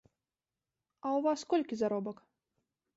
А ў вас колькі заробак?